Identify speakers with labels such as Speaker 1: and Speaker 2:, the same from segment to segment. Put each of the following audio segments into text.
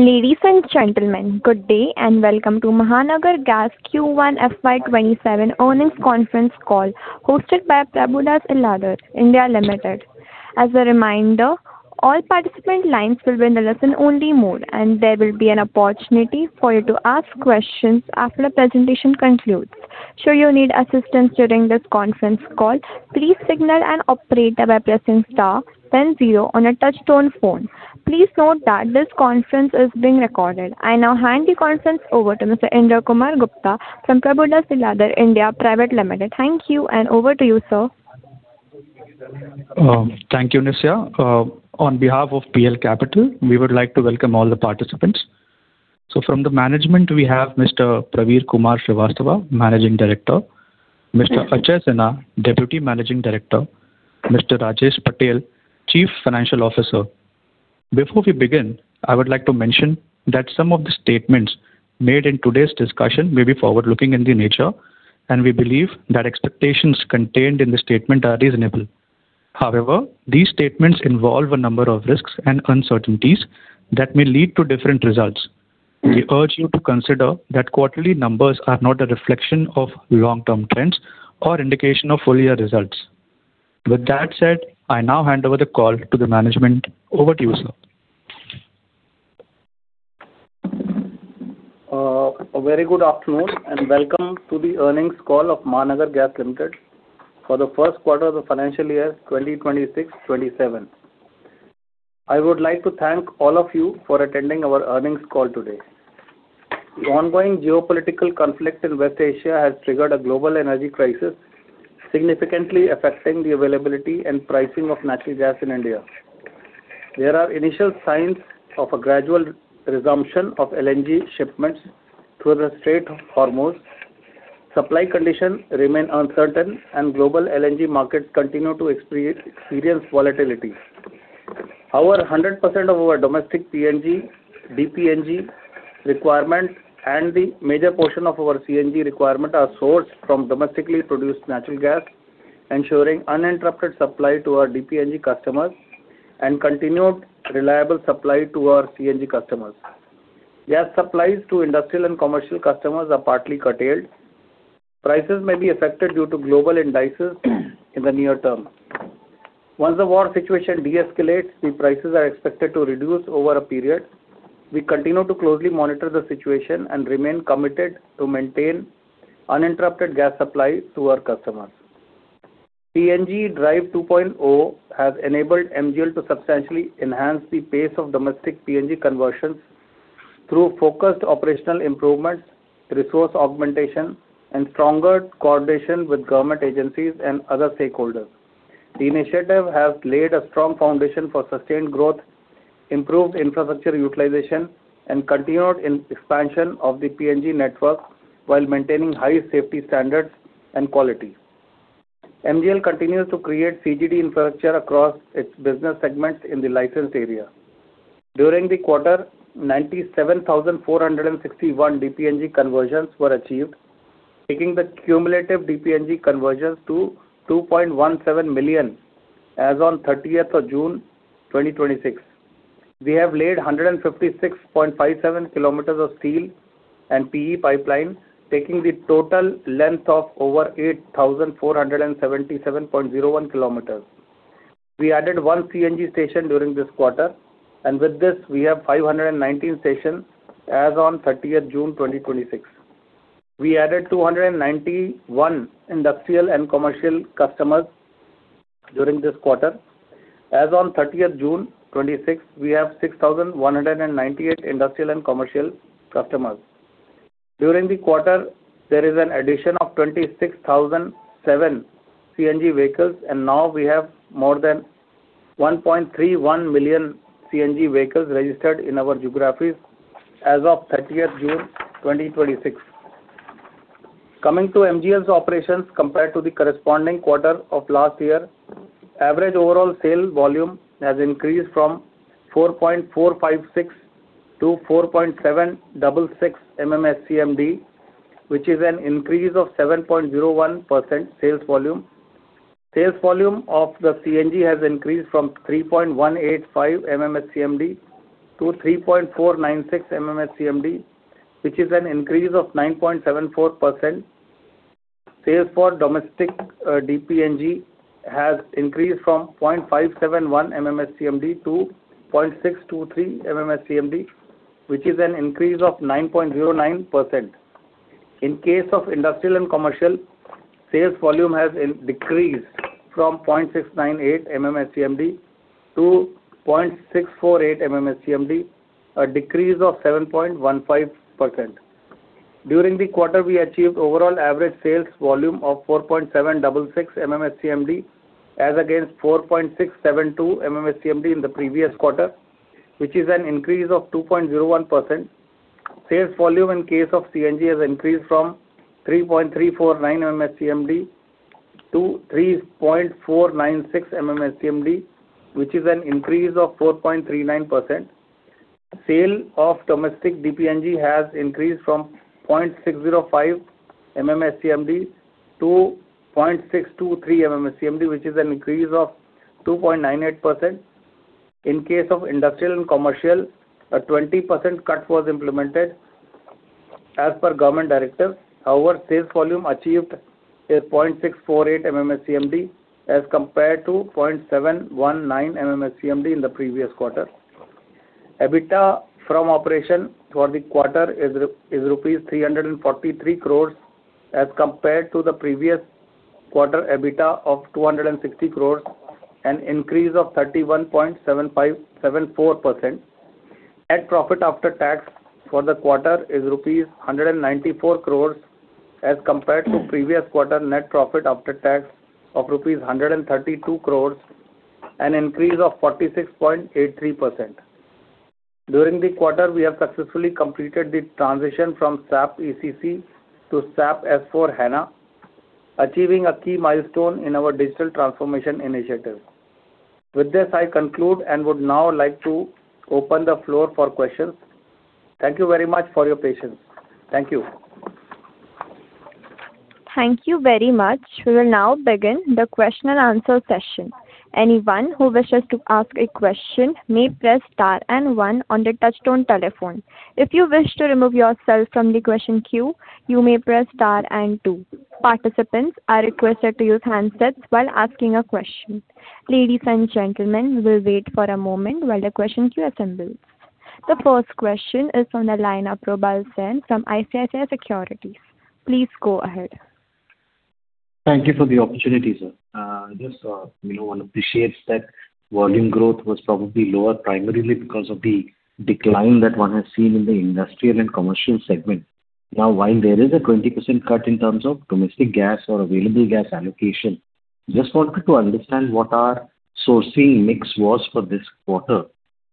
Speaker 1: Ladies and gentlemen, good day and welcome to Mahanagar Gas Q1 fiscal year 2027 earnings conference call hosted by Prabhudas Lilladher India Limited. As a reminder, all participant lines will be in listen-only mode, and there will be an opportunity for you to ask questions after the presentation concludes. Should you need assistance during this conference call, please signal an operator by pressing star then zero on a touch-tone phone. Please note that this conference is being recorded. I now hand the conference over to Mr. Indra Kumar Gupta from Prabhudas Lilladher India Private Limited. Thank you, and over to you, sir.
Speaker 2: Thank you, Nisha. On behalf of Prabhudas Lilladher, we would like to welcome all the participants. From the management, we have Mr. Praveer Kumar Srivastava, Managing Director. Mr. Ajay Sinha, Deputy Managing Director. Mr. Rajesh Patel, Chief Financial Officer. Before we begin, I would like to mention that some of the statements made in today's discussion may be forward-looking in nature, we believe that expectations contained in the statement are reasonable. However, these statements involve a number of risks and uncertainties that may lead to different results. We urge you to consider that quarterly numbers are not a reflection of long-term trends or indication of full-year results. With that said, I now hand over the call to the management. Over to you, sir.
Speaker 3: A very good afternoon, welcome to the earnings call of Mahanagar Gas Limited for the first quarter of the financial year 2026-2027. I would like to thank all of you for attending our earnings call today. The ongoing geopolitical conflict in West Asia has triggered a global energy crisis, significantly affecting the availability and pricing of natural gas in India. There are initial signs of a gradual resumption of LNG shipments through the Strait of Hormuz. Supply conditions remain uncertain, global LNG markets continue to experience volatility. However, 100% of our domestic PNG, DPNG requirements and the major portion of our CNG requirement are sourced from domestically produced natural gas, ensuring uninterrupted supply to our DPNG customers and continued reliable supply to our CNG customers. Gas supplies to industrial and commercial customers are partly curtailed. Prices may be affected due to global indices in the near term. Once the war situation deescalates, the prices are expected to reduce over a period. We continue to closely monitor the situation, remain committed to maintain uninterrupted gas supply to our customers. PNG Drive 2.0 has enabled MGL to substantially enhance the pace of domestic PNG conversions through focused operational improvements, resource augmentation, stronger coordination with government agencies and other stakeholders. The initiative has laid a strong foundation for sustained growth, improved infrastructure utilization, continued expansion of the PNG network while maintaining high safety standards and quality. MGL continues to create CGD infrastructure across its business segments in the licensed area. During the quarter, 97,461 DPNG conversions were achieved, taking the cumulative DPNG conversions to 2.17 million as on June 30th, 2026. We have laid 156.57 km of steel and PE pipeline, taking the total length of over 8,477.01 km. We added 1 CNG station during this quarter. With this, we have 519 stations as on June 30th, 2026. We added 291 industrial and commercial customers during this quarter. As on June 30th, 2026, we have 6,198 industrial and commercial customers. During the quarter, there is an addition of 26,007 CNG vehicles. Now we have more than 1.31 million CNG vehicles registered in our geographies as of June 30th, 2026. Coming to MGL's operations compared to the corresponding quarter of last year, average overall sales volume has increased from 4.456 MMSCMD-4.766 MMSCMD, which is an increase of 7.01% sales volume. Sales volume of the CNG has increased from 3.185 MMSCMD-3.496 MMSCMD, which is an increase of 9.74%. Sales for domestic DPNG has increased from 0.571 MMSCMD-0.623 MMSCMD, which is an increase of 9.09%. In case of industrial and commercial, sales volume has decreased from 0.698 MMSCMD-0.648 MMSCMD, a decrease of 7.15%. During the quarter, we achieved overall average sales volume of 4.766 MMSCMD as against 4.672 MMSCMD in the previous quarter, which is an increase of 2.01%. Sales volume in case of CNG has increased from 3.349 MMSCMD-3.496 MMSCMD, which is an increase of 4.39%. Sale of domestic DPNG has increased from 0.605 MMSCMD-0.623 MMSCMD, which is an increase of 2.98%. In case of industrial and commercial, a 20% cut was implemented as per government directive. However, sales volume achieved is 0.648 MMSCMD as compared to 0.719 MMSCMD in the previous quarter. EBITDA from operation for the quarter is rupees 343 crore as compared to the previous quarter EBITDA of 260 crore, an increase of 31.74%. Net profit after tax for the quarter is rupees 194 crore as compared to previous quarter net profit after tax of rupees 132 crore, an increase of 46.83%. During the quarter, we have successfully completed the transition from SAP ECC to SAP S/4HANA, achieving a key milestone in our digital transformation initiative. This, I conclude and would now like to open the floor for questions. Thank you very much for your patience. Thank you.
Speaker 1: Thank you very much. We will now begin the question and answer session. Anyone who wishes to ask a question may press star and one on the touchtone telephone. If you wish to remove yourself from the question queue, you may press star and two. Participants are requested to use handsets while asking a question. Ladies and gentlemen, we will wait for a moment while the question queue assembles. The first question is on the line of Probal Sen from ICICI Securities. Please go ahead.
Speaker 4: Thank you for the opportunity, sir. Just one appreciates that volume growth was probably lower, primarily because of the decline that one has seen in the industrial and commercial segment. While there is a 20% cut in terms of domestic gas or available gas allocation, just wanted to understand what our sourcing mix was for this quarter,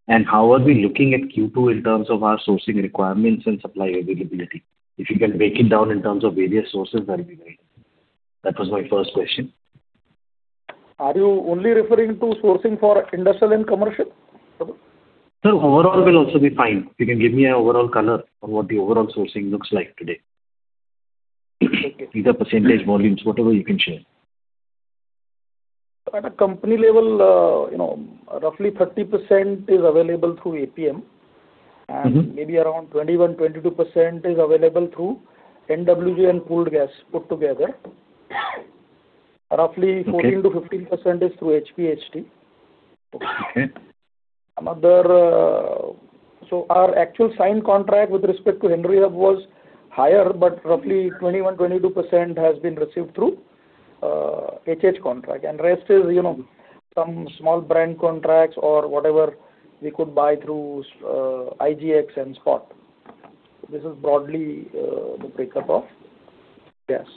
Speaker 4: and how are we looking at Q2 in terms of our sourcing requirements and supply availability? If you can break it down in terms of various sources, that'll be great. That was my first question.
Speaker 5: Are you only referring to sourcing for industrial and commercial, Probal?
Speaker 4: Sir, overall will also be fine. If you can give me an overall color on what the overall sourcing looks like today. Either percentage, volumes, whatever you can share.
Speaker 5: At a company level, roughly 30% is available through APM, and maybe around 21%-22% is available through NWG and pooled gas put together. Roughly 14%-15% is through HPHT.
Speaker 4: Okay.
Speaker 5: Our actual signed contract with respect to Henry Hub was higher, but roughly 21%-22% has been received through HH contract. Rest is some small Brent contracts or whatever we could buy through IGX and Spot. This is broadly the breakup of gas.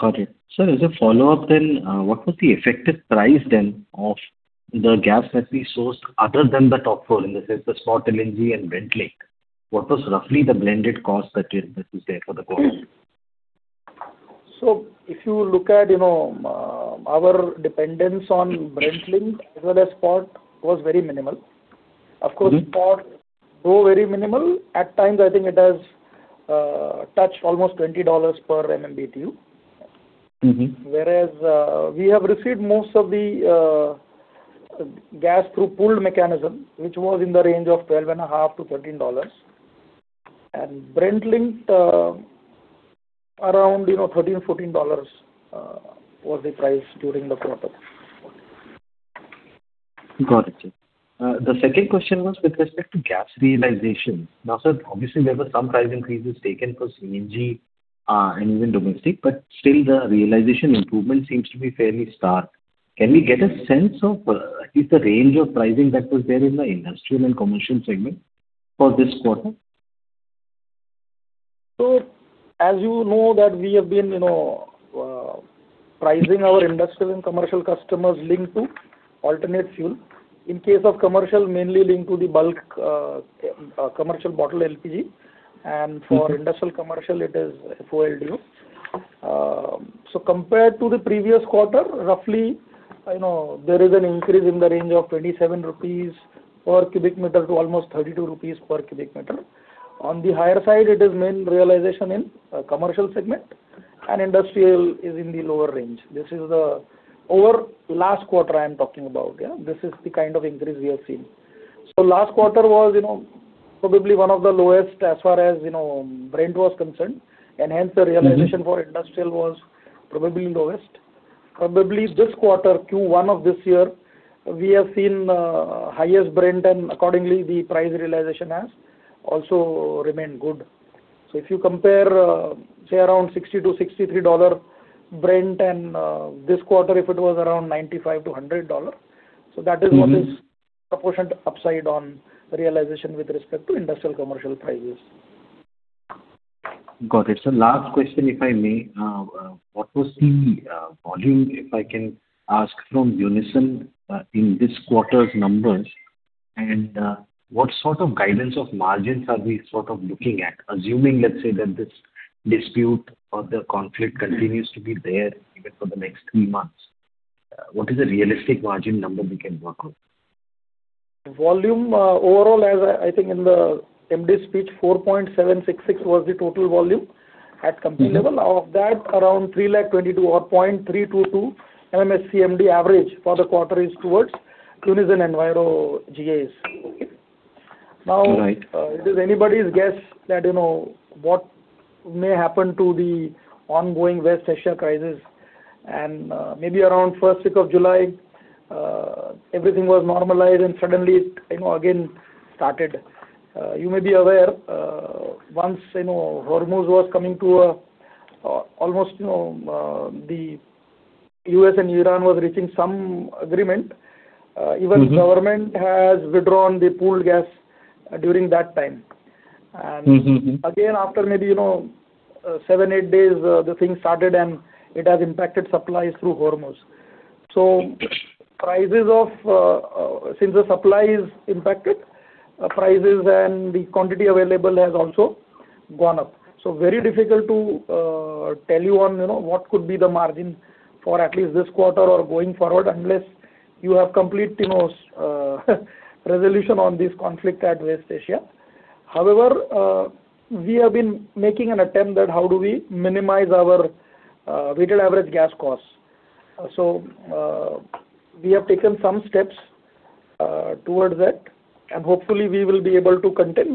Speaker 4: Got it. Sir, as a follow-up, what was the effective price of the gas that we sourced other than the top four, in the sense, the Spot LNG and Brent linked, what was roughly the blended cost that is there for the quarter?
Speaker 5: If you look at our dependence on Brent linked as well as Spot was very minimal. Of course, Spot, though very minimal, at times, I think it has touched almost $20 per MMBtu.
Speaker 6: We have received most of the gas through pooled mechanism, which was in the range of $12.50-$13. Brent linked, around $13-$14 was the price during the quarter.
Speaker 4: Got it. Sir, obviously, there were some price increases taken for CNG and even domestic, but still the realization improvement seems to be fairly stark. Can we get a sense of, at least the range of pricing that was there in the industrial and commercial segment for this quarter?
Speaker 5: As you know that we have been pricing our industrial and commercial customers linked to alternate fuel. In case of commercial, mainly linked to the bulk commercial bottled LPG, and for industrial commercial, it is FO/LDO. Compared to the previous quarter, roughly, there is an increase in the range of 27 rupees per cubic meter to almost 32 rupees per cubic meter. On the higher side, it is main realization in commercial segment and industrial is in the lower range. This is the over last quarter I am talking about. This is the kind of increase we have seen. Last quarter was probably one of the lowest as far as Brent was concerned, and hence the realization for industrial was probably lowest. Probably this quarter, Q1 of this year, we have seen highest Brent, and accordingly, the price realization has also remained good.
Speaker 6: If you compare, say around $60-$63 Brent and this quarter, if it was around $95-$100, that is what is proportionate upside on realization with respect to industrial commercial prices.
Speaker 4: Got it. Sir, last question, if I may. What was the volume, if I can ask from Unison, in this quarter's numbers, and what sort of guidance of margins are we looking at? Assuming, let's say that this dispute or the conflict continues to be there even for the next three months, what is the realistic margin number we can work on?
Speaker 5: Volume overall, I think in the MD's speech, 4.766 was the total volume at company level. Of that, around 322,000 or 0.322 MMSCMD average for the quarter is towards Unison Enviro GAs. It is anybody's guess that what may happen to the ongoing West Asia crisis. Maybe around first week of July, everything was normalized and suddenly it again started. You may be aware, once Hormuz was coming to almost the U.S. and Iran was reaching some agreement, even government has withdrawn the pooled gas during that time.
Speaker 6: After maybe seven, eight days, the thing started, and it has impacted supplies through Hormuz. Since the supply is impacted, prices and the quantity available has also gone up. Very difficult to tell you on what could be the margin for at least this quarter or going forward unless you have complete resolution on this conflict at West Asia. However, we have been making an attempt at how do we minimize our weighted average gas costs. We have taken some steps towards that, and hopefully we will be able to contain.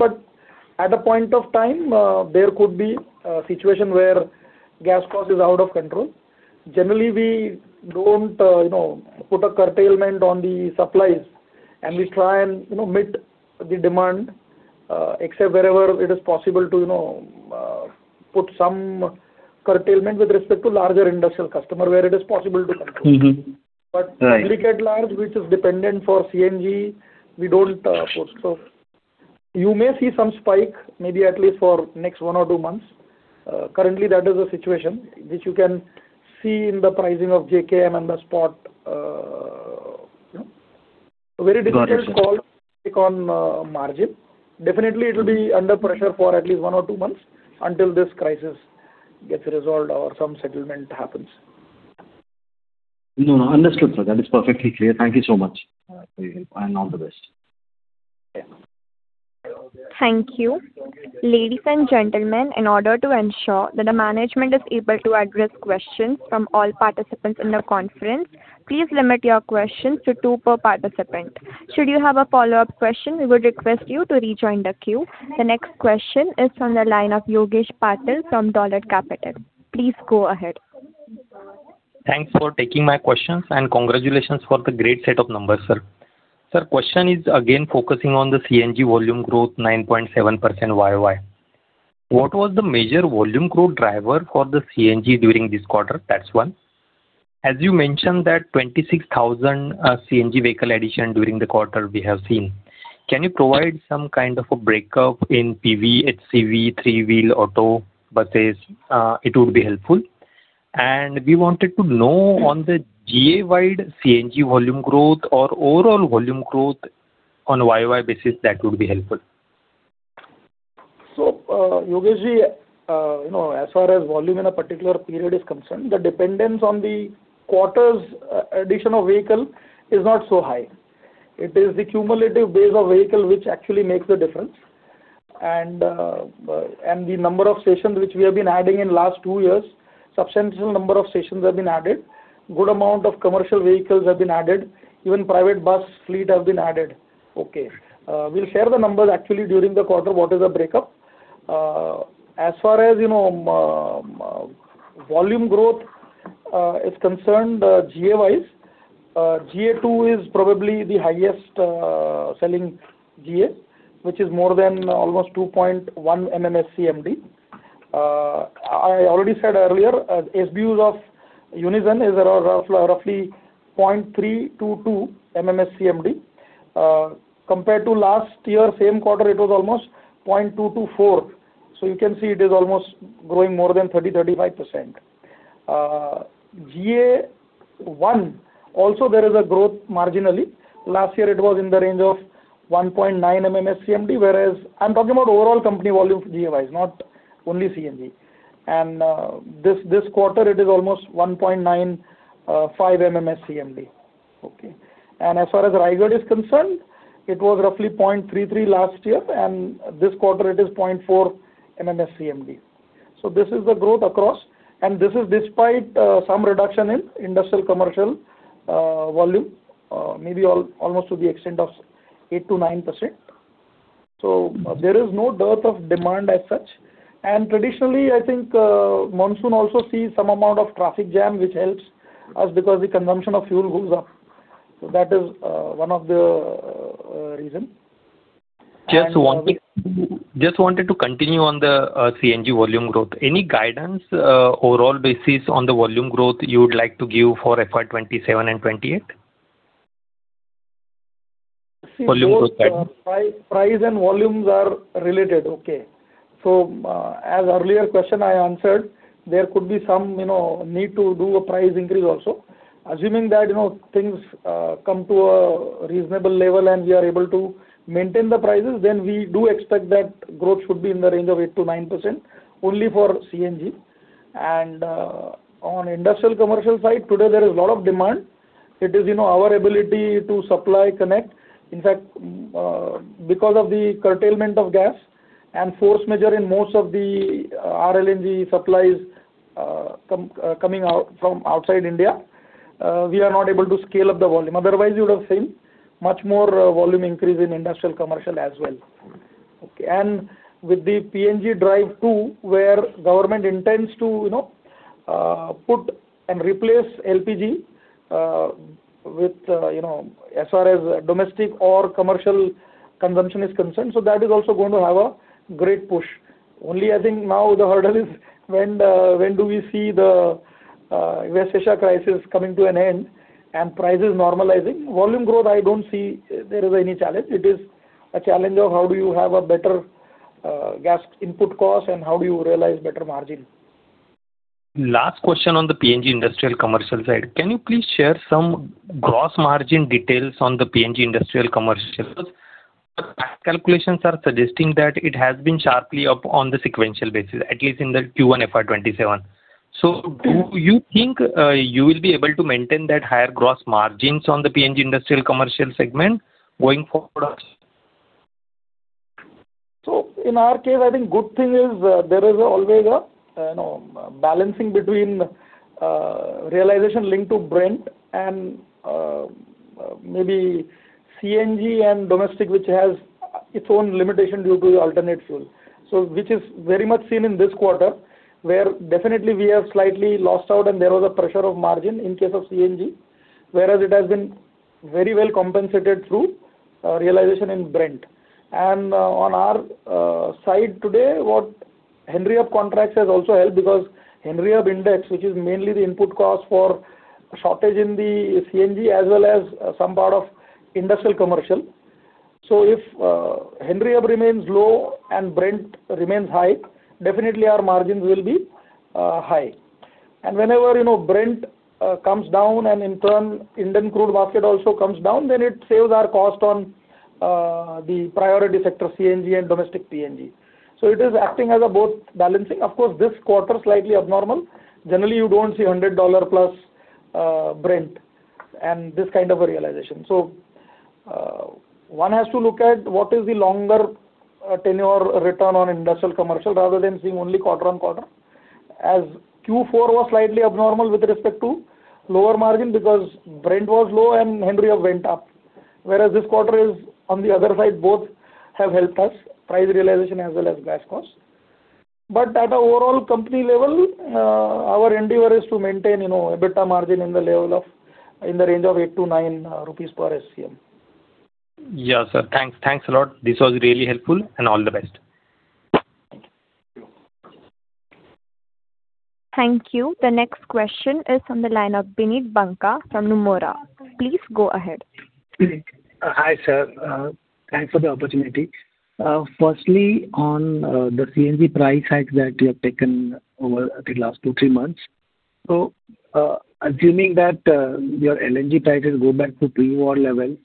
Speaker 6: At a point of time, there could be a situation where gas cost is out of control. Generally, we don't put a curtailment on the supplies, and we try and meet the demand, except wherever it is possible to put some curtailment with respect to larger industrial customer, where it is possible to curtail. Public at large, which is dependent for CNG, we don't put. You may see some spike, maybe at least for next one or two months. Currently, that is the situation, which you can see in the pricing of JKM and the spot. Very difficult call to take on margin. Definitely it will be under pressure for at least one or two months until this crisis gets resolved or some settlement happens.
Speaker 4: Understood, sir. That is perfectly clear. Thank you so much for your help, and all the best.
Speaker 1: Thank you. Ladies and gentlemen, in order to ensure that the management is able to address questions from all participants in the conference, please limit your questions to two per participant. Should you have a follow-up question, we would request you to rejoin the queue. The next question is from the line of Yogesh Patil from Dolat Capital. Please go ahead.
Speaker 7: Thanks for taking my questions, and congratulations for the great set of numbers, sir. Sir, question is again focusing on the CNG volume growth, 9.7% year-on-year. What was the major volume growth driver for the CNG during this quarter? That's one. As you mentioned that 26,000 CNG vehicle addition during the quarter we have seen. Can you provide some kind of a breakup in PV, HCV, three-wheel auto buses? It would be helpful. We wanted to know on the GA-wide CNG volume growth or overall volume growth on year-on-year basis. That would be helpful.
Speaker 5: Yogeshji, as far as volume in a particular period is concerned, the dependence on the quarter's addition of vehicle is not so high. It is the cumulative base of vehicle which actually makes the difference, and the number of stations which we have been adding in last two years, substantial number of stations have been added. Good amount of commercial vehicles have been added. Even private bus fleet have been added. Okay. We'll share the numbers actually during the quarter, what is the breakup. As far as volume growth is concerned GA-wise, GA2 is probably the highest selling GA, which is more than almost 2.1 MMSCMD. I already said earlier, SBUs of Unison is around roughly 0.322 MMSCMD. Compared to last year, same quarter, it was almost 0.224, so you can see it is almost growing more than 30%-35%. GA1, also there is a growth marginally.
Speaker 6: Last year it was in the range of 1.9 MMSCMD, whereas I'm talking about overall company volume GA-wise, not only CNG. This quarter it is almost 1.95 MMSCMD. Okay. As far as Raigad is concerned, it was roughly 0.33 last year, and this quarter it is 0.4 MMSCMD. This is the growth across, and this is despite some reduction in industrial commercial volume, maybe almost to the extent of 8%-9%. There is no dearth of demand as such. Traditionally, I think monsoon also sees some amount of traffic jam, which helps us because the consumption of fuel goes up. That is one of the reason.
Speaker 7: Just wanted to continue on the CNG volume growth. Any guidance overall basis on the volume growth you would like to give for fiscal year 2027 and 2028? Volume growth guidance.
Speaker 5: Price and volumes are related. Okay. As earlier question I answered, there could be some need to do a price increase also. Assuming that things come to a reasonable level and we are able to maintain the prices, then we do expect that growth should be in the range of 8%-9%, only for CNG. On industrial commercial side, today there is a lot of demand. It is our ability to supply connect. In fact, because of the curtailment of gas and force majeure in most of the RLNG supplies coming out from outside India, we are not able to scale up the volume. Otherwise, you would have seen much more volume increase in industrial commercial as well. Okay. With the PNG Drive 2.0, where government intends to put and replace LPG as far as domestic or commercial consumption is concerned.
Speaker 6: That is also going to have a great push. Only I think now the hurdle is when do we see the West Asia crisis coming to an end and prices normalizing? Volume growth, I don't see there is any challenge. It is a challenge of how do you have a better gas input cost and how do you realize better margin.
Speaker 7: Last question on the PNG industrial commercial side. Can you please share some gross margin details on the PNG industrial commercial? The past calculations are suggesting that it has been sharply up on the sequential basis, at least in the Q1 fiscal year 2027. Do you think you will be able to maintain that higher gross margins on the PNG industrial commercial segment going forward?
Speaker 5: In our case, I think good thing is there is always a balancing between realization linked to Brent and maybe CNG and domestic, which has its own limitation due to alternate fuel. Which is very much seen in this quarter, where definitely we have slightly lost out and there was a pressure of margin in case of CNG, whereas it has been very well compensated through realization in Brent. On our side today, what Henry Hub contracts has also helped because Henry Hub index, which is mainly the input cost for shortage in the CNG as well as some part of industrial commercial. If Henry Hub remains low and Brent remains high, definitely our margins will be high. Whenever Brent comes down and in turn Indian crude basket also comes down, then it saves our cost on the priority sector, CNG and domestic PNG.
Speaker 6: It is acting as a both balancing. Of course, this quarter slightly abnormal. Generally, you don't see $100+ Brent and this kind of a realization. One has to look at what is the longer tenure return on industrial commercial rather than seeing only quarter-on-quarter. Q4 was slightly abnormal with respect to lower margin because Brent was low and Henry Hub went up. This quarter is on the other side, both have helped us, price realization as well as gas costs. At an overall company level, our endeavor is to maintain EBITDA margin in the range of INR 8-INR 9 per SCM.
Speaker 7: Sir. Thanks a lot. This was really helpful, and all the best.
Speaker 1: Thank you. The next question is from the line of Vineet Banka from Nomura. Please go ahead.
Speaker 8: Hi, sir. Thanks for the opportunity. Firstly, on the CNG price hike that you have taken over the last two, three months. Assuming that your LNG prices go back to pre-war level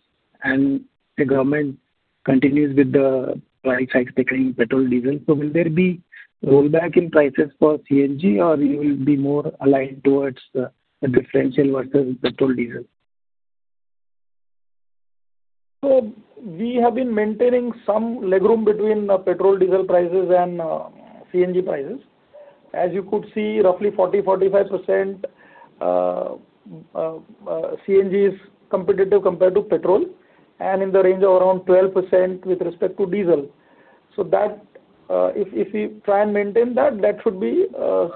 Speaker 8: and the government continues with the price hike between petrol, diesel, will there be rollback in prices for CNG or you will be more aligned towards the differential versus petrol, diesel?
Speaker 5: We have been maintaining some legroom between petrol, diesel prices and CNG prices. As you could see, roughly 40%, 45% CNG is competitive compared to petrol, and in the range of around 12% with respect to diesel. If we try and maintain that should be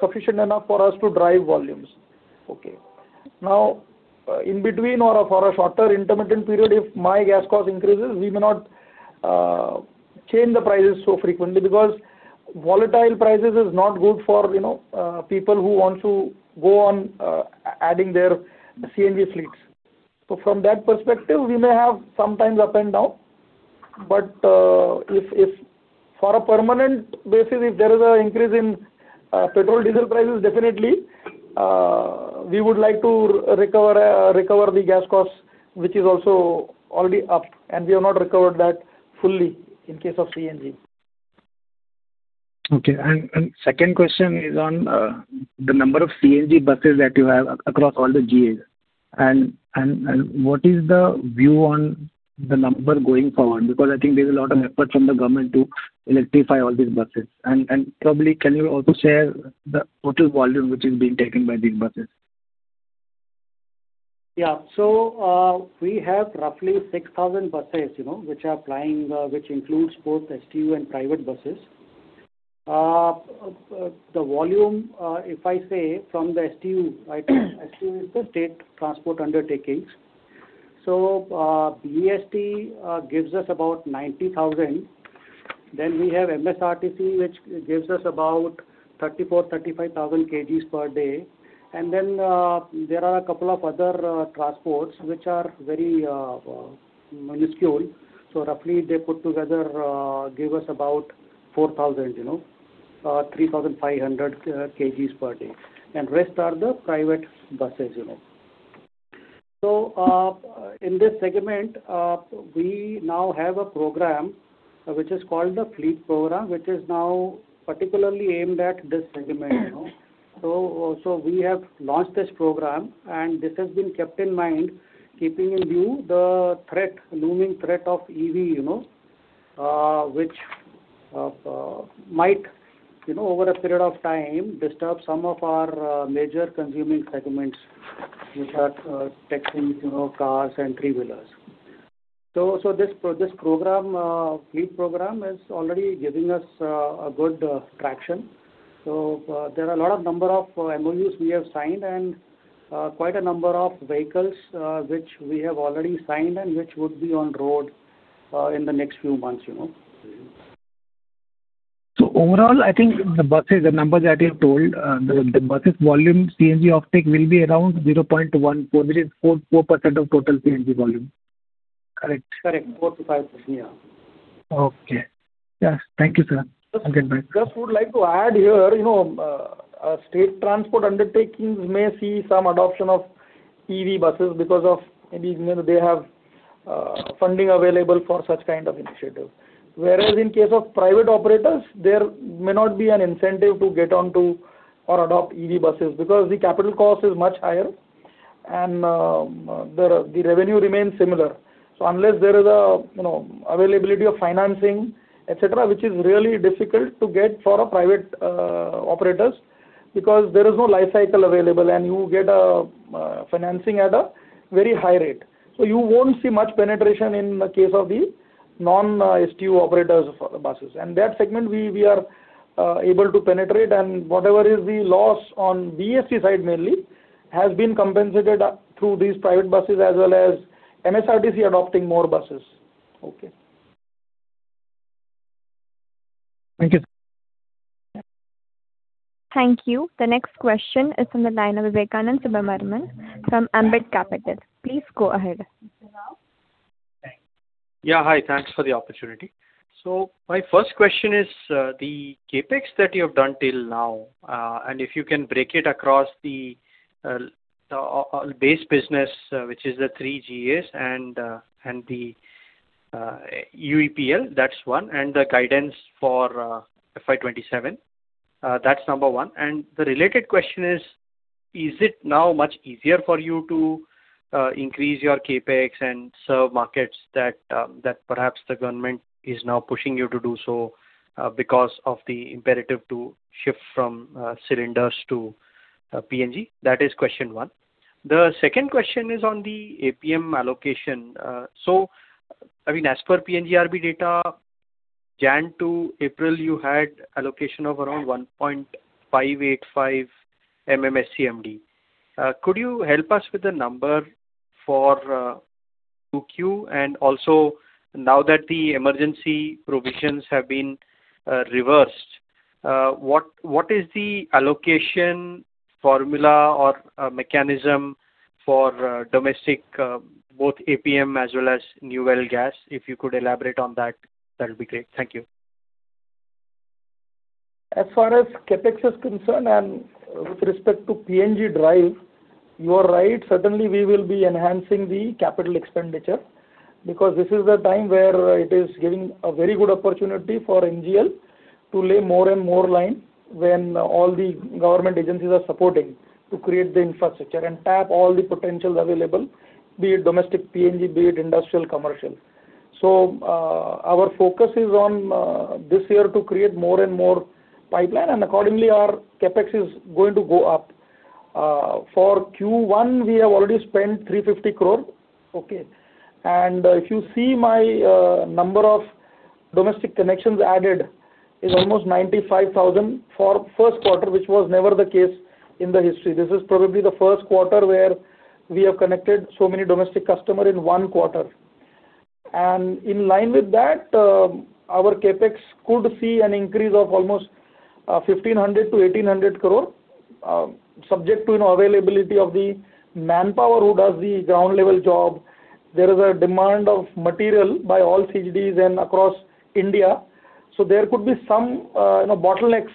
Speaker 5: sufficient enough for us to drive volumes. Now, in between or for a shorter intermittent period, if my gas cost increases, we may not change the prices so frequently because volatile prices is not good for people who want to go on adding their CNG fleets. From that perspective, we may have sometimes up and down. For a permanent basis, if there is an increase in petrol, diesel prices, definitely we would like to recover the gas costs, which is also already up, and we have not recovered that fully in case of CNG.
Speaker 8: Second question is on the number of CNG buses that you have across all the GAs. What is the view on the number going forward? I think there's a lot of effort from the government to electrify all these buses. Probably can you also share the total volume which is being taken by these buses?
Speaker 5: We have roughly 6,000 buses which are plying, which includes both STU and private buses. The volume, if I say from the STU item, STU is the State Transport Undertakings. BEST gives us about 90,000. Then we have MSRTC, which gives us about 34,000 kg, 35,000 kg per day. Then there are a couple of other transports which are very minuscule. Roughly they put together, give us about 4,000 kg, 3,500 kg per day. Rest are the private buses. In this segment, we now have a program which is called the Fleet Program, which is now particularly aimed at this segment. We have launched this program, and this has been kept in mind, keeping in view the looming threat of EV, which might, over a period of time, disturb some of our major consuming segments, which are texting cars and three-wheelers.
Speaker 6: This Fleet Program is already giving us a good traction. There are a lot of number of MOUs we have signed and quite a number of vehicles which we have already signed and which would be on road in the next few months.
Speaker 8: Overall, I think the buses, the number that you have told, the buses volume CNG of take will be around 0.14, which is 4% of total CNG volume.
Speaker 5: Correct. 4%-5%, yeah.
Speaker 8: Okay. Yeah. Thank you, sir. I'll get back.
Speaker 5: Just would like to add here, State Transport Undertakings may see some adoption of EV buses because of maybe they have funding available for such kind of initiatives. Whereas in case of private operators, there may not be an incentive to get onto or adopt EV buses, because the capital cost is much higher and the revenue remains similar. Unless there is availability of financing, et cetera, which is really difficult to get for private operators because there is no life cycle available, and you get financing at a very high rate. You won't see much penetration in the case of the non-STU operators for the buses. That segment, we are able to penetrate, and whatever is the loss on the STU side mainly has been compensated through these private buses as well as MSRTC adopting more buses. Okay.
Speaker 8: Thank you.
Speaker 1: Thank you. The next question is from the line of Vivekanand Subbaraman from Ambit Capital. Please go ahead.
Speaker 9: Yeah. Hi, thanks for the opportunity. My first question is the CapEx that you have done till now, and if you can break it across the base business, which is the three GS and the UEPL, that's one, and the guidance for fiscal year 2027. That's number one. The related question is it now much easier for you to increase your CapEx and serve markets that perhaps the government is now pushing you to do so because of the imperative to shift from cylinders to PNG? That is question one. The second question is on the APM allocation. As per PNGRB data, January to April, you had allocation of around 1.585 MMSCMD. Could you help us with the number for 2Q? Also now that the emergency provisions have been reversed, what is the allocation formula or mechanism for domestic, both APM as well as New Well Gas? If you could elaborate on that'll be great. Thank you.
Speaker 5: As far as CapEx is concerned and with respect to PNG Drive, you are right. Certainly, we will be enhancing the capital expenditure because this is the time where it is giving a very good opportunity for MGL to lay more and more line when all the government agencies are supporting to create the infrastructure and tap all the potentials available, be it domestic PNG, be it industrial, commercial. Our focus is on this year to create more and more pipeline, and accordingly, our CapEx is going to go up. For Q1, we have already spent 350 crore. Okay. And if you see my number of domestic connections added is almost 95,000 for first quarter, which was never the case in the history. This is probably the first quarter where we have connected so many domestic customer in one quarter.
Speaker 6: In line with that, our CapEx could see an increase of almost 1,500 crore-1,800 crore, subject to availability of the manpower who does the ground level job. There is a demand of material by all CGDs and across India. There could be some bottlenecks.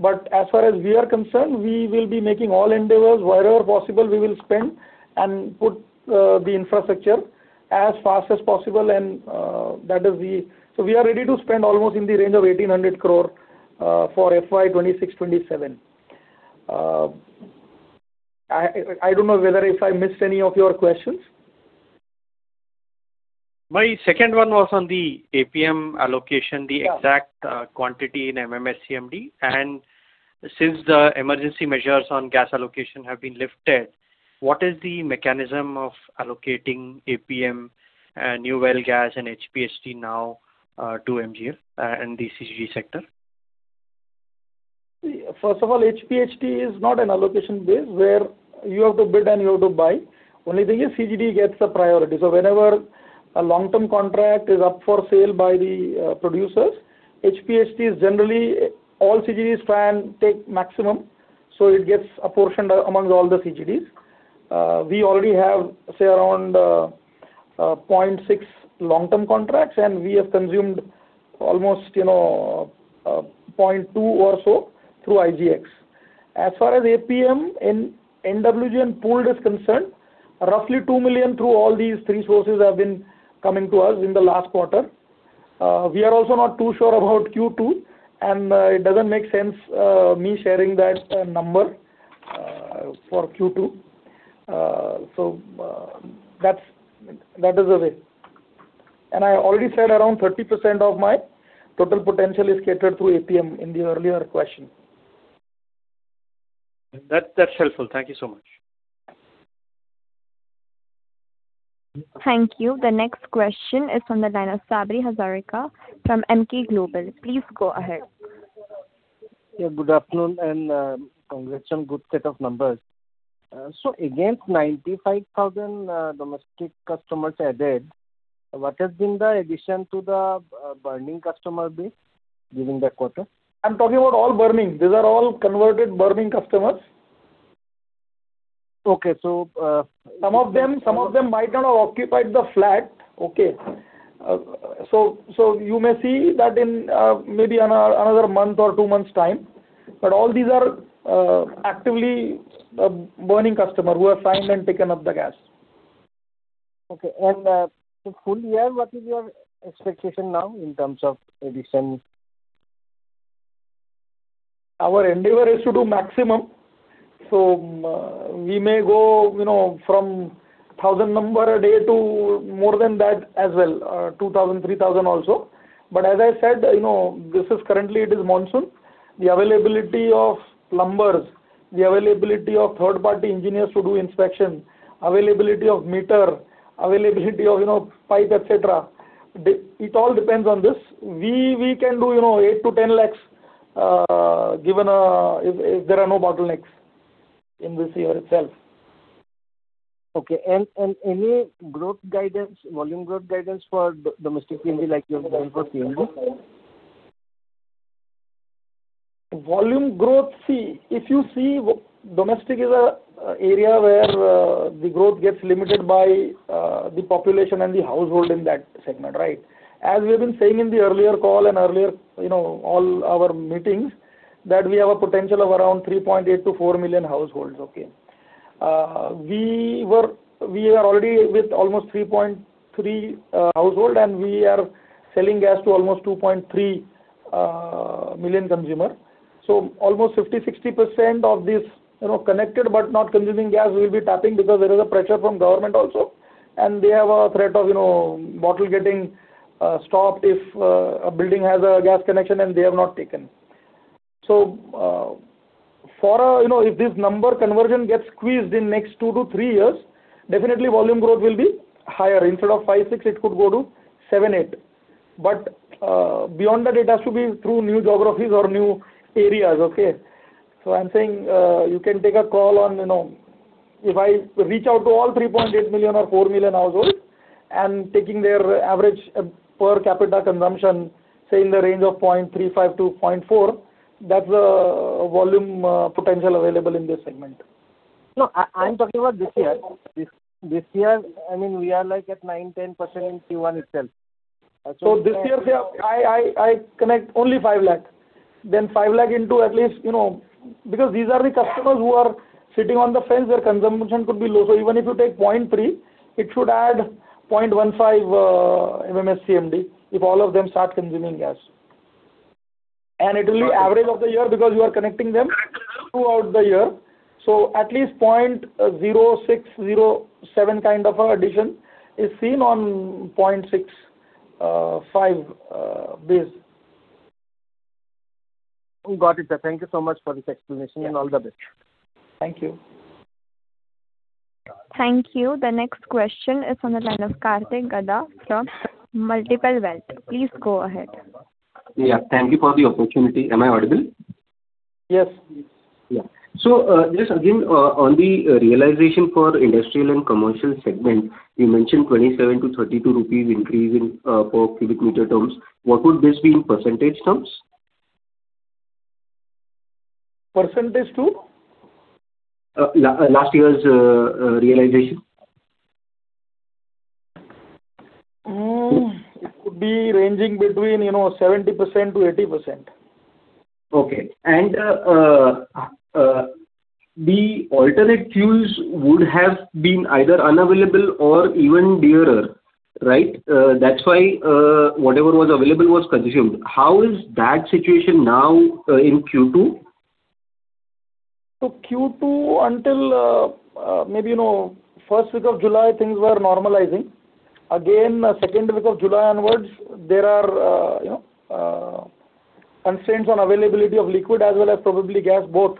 Speaker 6: As far as we are concerned, we will be making all endeavors. Wherever possible, we will spend and put the infrastructure as fast as possible, and that is the. We are ready to spend almost in the range of 1,800 crore for fiscal year 2026, 2027. I don't know whether if I missed any of your questions.
Speaker 9: My second one was on the APM allocation, the exact quantity in MMSCMD. Since the emergency measures on gas allocation have been lifted, what is the mechanism of allocating APM, New Well Gas, and HPHT now to MGL and the CG sector?
Speaker 5: First of all, HPHT is not an allocation base where you have to bid and you have to buy. Only thing is CGD gets the priority. Whenever a long-term contract is up for sale by the producers, HPHT is generally all CGDs try and take maximum, so it gets a portion amongst all the CGDs. We already have, say around 0.6 long-term contracts, and we have consumed almost 0.2 or so through IGX. As far as APM, NWG, and pooled is concerned, roughly 2 million through all these three sources have been coming to us in the last quarter. We are also not too sure about Q2, and it doesn't make sense, me sharing that number for Q2. That is the way. I already said around 30% of my total potential is catered through APM in the earlier question.
Speaker 9: That's helpful. Thank you so much.
Speaker 1: Thank you. The next question is from the line of Sabri Hazarika from Emkay Global. Please go ahead.
Speaker 10: Yeah. Good afternoon, congrats on good set of numbers. Against 95,000 domestic customers added, what has been the addition to the burning customer base during that quarter?
Speaker 5: I'm talking about all burning. These are all converted burning customers.
Speaker 10: Okay.
Speaker 5: Some of them might not have occupied the flat.
Speaker 10: Okay.
Speaker 5: You may see that in maybe another month or two months time. All these are actively burning customer who have signed and taken up the gas.
Speaker 10: Okay. For full year, what is your expectation now in terms of addition?
Speaker 5: Our endeavor is to do maximum. We may go from 1,000 customers number a day to more than that as well, 2,000 customers, 3,000 customers also. As I said, currently it is monsoon. The availability of plumbers, the availability of third party engineers to do inspection, availability of meter, availability of pipe, et cetera, it all depends on this. We can do 8 lakhs-10 lakhs, if there are no bottlenecks in this year itself.
Speaker 10: Okay. Any volume growth guidance for domestic PNG, like you have done for CNG?
Speaker 5: Volume growth, if you see, domestic is an area where the growth gets limited by the population and the household in that segment, right? As we've been saying in the earlier call and earlier all our meetings, that we have a potential of around 3.8 million households to four million households. Okay. We are already with almost 3.3 million household, and we are selling gas to almost 2.3 million consumer. Almost 50%-60% of these connected but not consuming gas we'll be tapping because there is a pressure from government also, and they have a threat of bottle getting stopped if a building has a gas connection and they have not taken. If this number conversion gets squeezed in next two to three years, definitely volume growth will be higher. Instead of five, six, it could go to seven, eight.
Speaker 6: Beyond that, it has to be through new geographies or new areas. Okay. I'm saying, you can take a call on if I reach out to all 3.8 million or four million households, and taking their average per capita consumption, say in the range of 0.35-0.4, that's the volume potential available in this segment.
Speaker 10: I'm talking about this year. This year, we are like at 9%, 10% in Q1 itself.
Speaker 5: This year, say I connect only 5 lakh. 5 lakh into at least because these are the customers who are sitting on the fence, their consumption could be low. Even if you take 0.3, it should add 0.15 MMSCMD, if all of them start consuming gas. It will be average of the year because you are connecting them throughout the year. At least 0.06, 0.07 kind of addition is seen on 0.65 base.
Speaker 10: Got it, sir. Thank you so much for this explanation, and all the best.
Speaker 5: Thank you.
Speaker 1: Thank you. The next question is on the line of Kartik Gada from Multipl Wealth. Please go ahead.
Speaker 11: Yeah. Thank you for the opportunity. Am I audible?
Speaker 5: Yes.
Speaker 11: Yeah. Just again, on the realization for industrial and commercial segment, you mentioned 27-32 rupees increase in per cubic meter terms. What would this be in percentage terms?
Speaker 5: Percentage to?
Speaker 11: Last year's realization.
Speaker 5: It could be ranging between 70%-80%.
Speaker 11: Okay. The alternate fuels would have been either unavailable or even dearer, right? That's why whatever was available was consumed. How is that situation now in Q2?
Speaker 5: Q2 until maybe first week of July, things were normalizing. Again, second week of July onwards, there are constraints on availability of liquid as well as probably gas, both.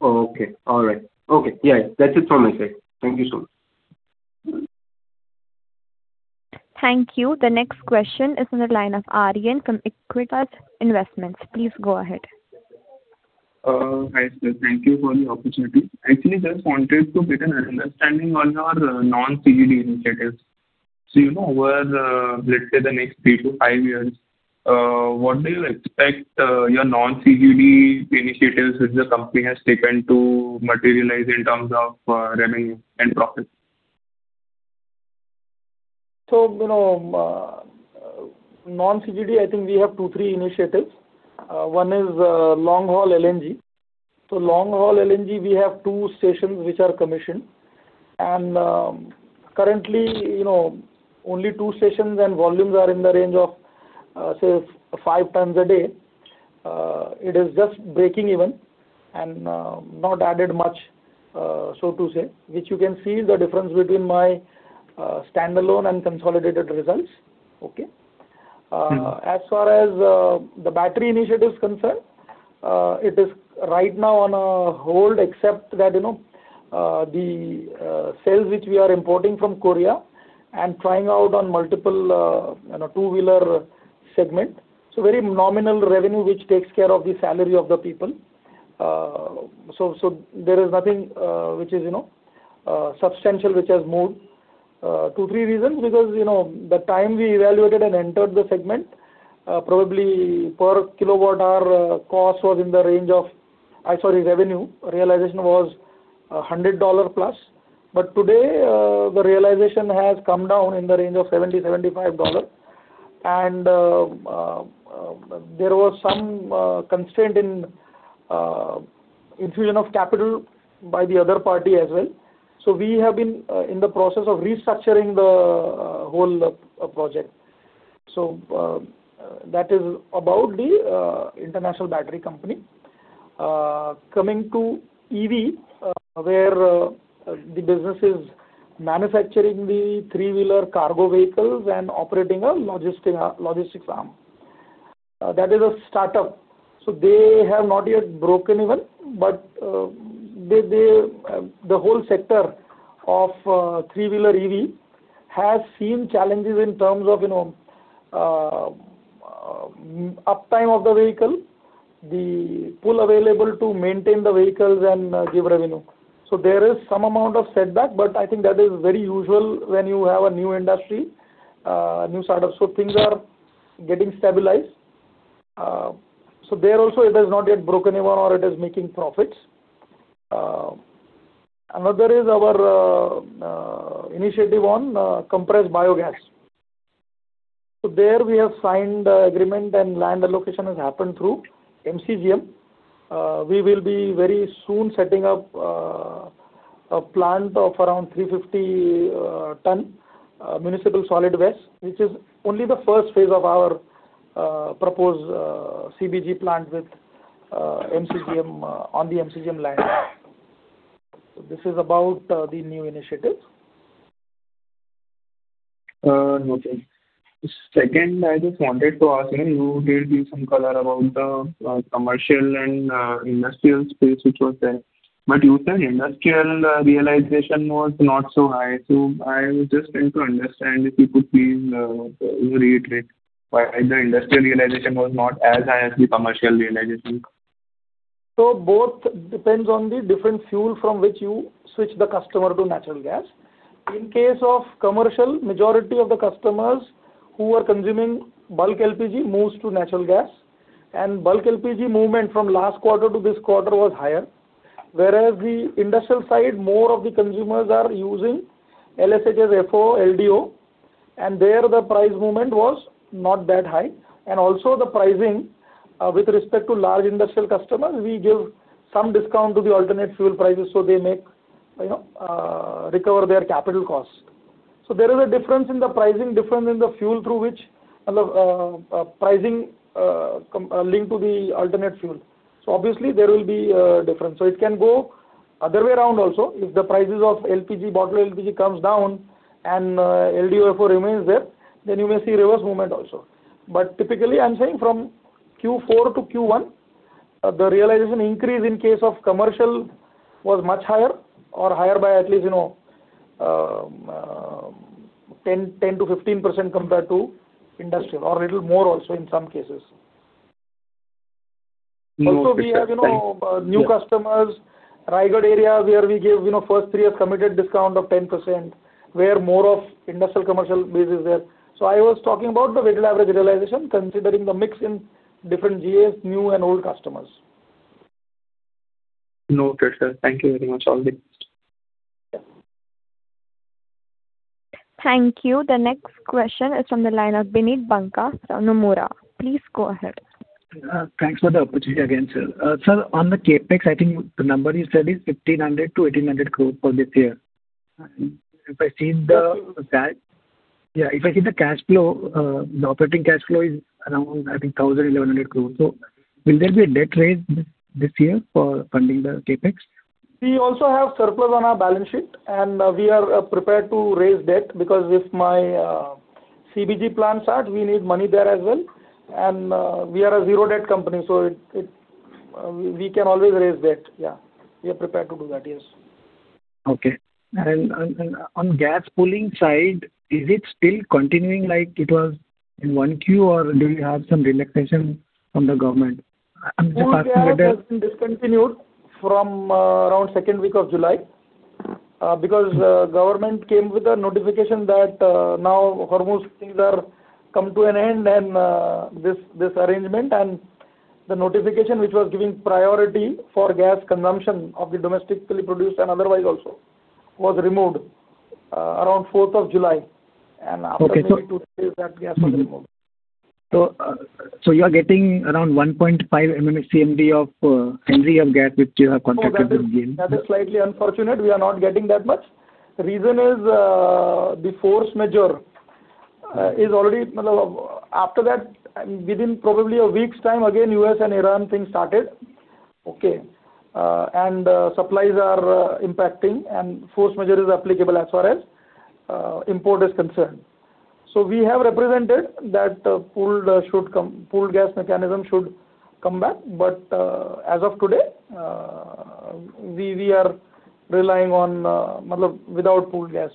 Speaker 11: Okay. All right. Okay. Yeah. That's it from my side. Thank you so much.
Speaker 1: Thank you. The next question is on the line of Aaryan from Aequitas Investments. Please go ahead.
Speaker 12: Hi, sir. Thank you for the opportunity. Actually, just wanted to get an understanding on your non-CGD initiatives. Over, let's say the next three to five years, what do you expect your non-CGD initiatives which the company has taken to materialize in terms of revenue and profit?
Speaker 5: Non-CGD, I think we have two, three initiatives. One is long haul LNG. Long haul LNG, we have two stations which are commissioned, and currently only two stations and volumes are in the range of, say, five times a day. It is just breaking even and not added much, so to say, which you can see the difference between my standalone and consolidated results. Okay? As far as the battery initiative is concerned, it is right now on hold except that the sales which we are importing from Korea and trying out on multiple two-wheeler segment. Very nominal revenue, which takes care of the salary of the people. There is nothing which is substantial, which has moved. Two, three reasons, because the time we evaluated and entered the segment, probably per kilowatt hour revenue realization was $100+. Today, the realization has come down in the range of $70-$75, and there was some constraint in infusion of capital by the other party as well. We have been in the process of restructuring the whole project. That is about the international battery company. Coming to EV, where the business is manufacturing the three-wheeler cargo vehicles and operating a logistics arm. That is a startup. They have not yet broken even, but the whole sector of three-wheeler EV has seen challenges in terms of uptime of the vehicle, the pool available to maintain the vehicles and give revenue. There is some amount of setback, but I think that is very usual when you have a new industry, new startup. Things are getting stabilized. There also, it has not yet broken even or it is making profits. Another is our initiative on compressed biogas. There we have signed agreement and land allocation has happened through MCGM. We will be very soon setting up a plant of around 350 tons municipal solid waste, which is only the first phase of our proposed CBG plant on the MCGM land. This is about the new initiatives.
Speaker 12: Okay. Second, I just wanted to ask, you did give some color about the commercial and industrial space, which was there, but you said industrial realization was not so high. I was just trying to understand if you could please reiterate why the industrial realization was not as high as the commercial realization.
Speaker 5: Both depends on the different fuel from which you switch the customer to natural gas. In case of commercial, majority of the customers who are consuming bulk LPG moves to natural gas. Bulk LPG movement from last quarter to this quarter was higher. Whereas the industrial side, more of the consumers are using LSHS, FO, LDO, and there the price movement was not that high. Also the pricing with respect to large industrial customers, we give some discount to the alternate fuel prices, so they may recover their capital costs. There is a difference in the pricing, difference in the fuel through which the pricing link to the alternate fuel. Obviously there will be a difference. It can go other way around also, if the prices of bottled LPG comes down and LDO, FO remains there, then you may see reverse movement also. Typically, I'm saying from Q4-Q1, the realization increase in case of commercial was much higher or higher by at least 10%-15% compared to industrial or little more also in some cases.
Speaker 12: Noted. Thank you.
Speaker 5: We have new customers, Raigad area where we give first three years committed discount of 10%, where more of industrial commercial base is there. I was talking about the weighted average realization considering the mix in different GAs, new and old customers.
Speaker 12: Noted, sir. Thank you very much. All the best.
Speaker 5: Yeah.
Speaker 1: Thank you. The next question is from the line of Vineet Banka from Nomura. Please go ahead.
Speaker 8: Thanks for the opportunity again, sir. Sir, on the CapEx, I think the number you said is 1,500 crore-1,800 crore for this year. If I see the cash flow, the operating cash flow is around, I think 1,000 crore, 1,100 crore. Will there be a debt raise this year for funding the CapEx?
Speaker 5: We also have surplus on our balance sheet, and we are prepared to raise debt because if my CBG plant starts, we need money there as well, and we are a zero-debt company, so we can always raise debt. We are prepared to do that. Yes.
Speaker 8: Okay. On gas pulling side, is it still continuing like it was in 1Q or do you have some relaxation from the government?
Speaker 5: Pool gas has been discontinued from around second week of July, because government came with a notification that now Hormuz things are come to an end, this arrangement and the notification which was giving priority for gas consumption of the domestically produced and otherwise also was removed around fourth of July.
Speaker 8: Okay.
Speaker 5: maybe two days that gas was removed.
Speaker 8: You are getting around 1.5 MMSCMD of LNG and gas, which you have contracted with GAIL.
Speaker 5: That is slightly unfortunate. We are not getting that much. Reason is, the force majeure. After that, within probably a week's time, again, U.S. and Iran thing started.
Speaker 8: Okay.
Speaker 5: Supplies are impacting, and force majeure is applicable as far as import is concerned. We have represented that pooled gas mechanism should come back, but as of today, we are relying on without pooled gas.